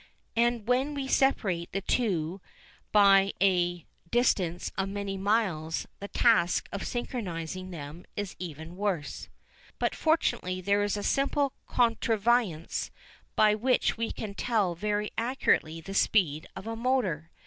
And when we separate the two by a distance of many miles, the task of synchronising them is even worse. But fortunately there is a simple contrivance by which we can tell very accurately the speed of a motor.